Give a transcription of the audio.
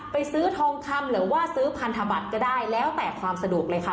ไปซื้อทองคำหรือว่าซื้อพันธบัตรก็ได้แล้วแต่ความสะดวกเลยค่ะ